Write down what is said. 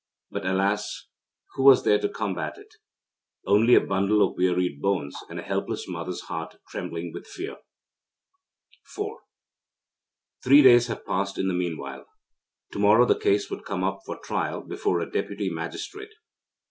But, alas, who was there to combat it? Only a bundle of wearied bones and a helpless mother's heart trembling with fear. IV Three days have passed in the meanwhile. To morrow the case would come up for trial before a Deputy Magistrate.